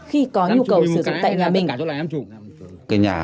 đi có nhu cầu sử dụng tại nhà mình